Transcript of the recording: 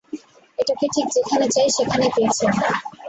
এটাকে ঠিক যেখানে চাই, সেখানেই পেয়েছি আমরা!